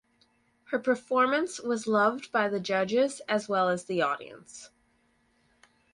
Her performance was loved by the judges as well as the audience.